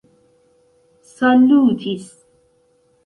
salutis